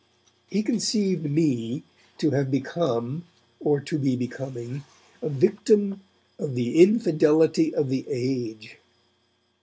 He conceived me to have become, or to be becoming, a victim of 'the infidelity of the age.'